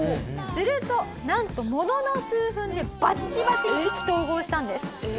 するとなんとものの数分でバッチバチに意気投合したんです。